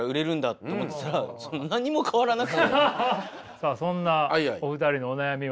さあそんなお二人のお悩みは？